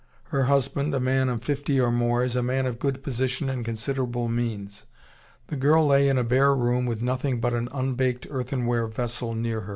"Her husband, a man of fifty or more, is a man of good position and considerable means. The girl lay in a bare room with nothing but an unbaked earthenware vessel near her.